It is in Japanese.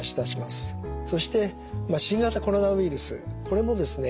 そして新型コロナウイルスこれもですね